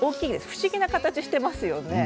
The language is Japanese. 不思議な形をしていますよね。